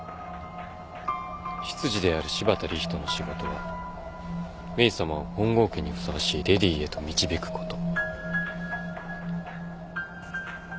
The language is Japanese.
執事である柴田理人の仕事はメイさまを本郷家にふさわしい淑女へと導くこと。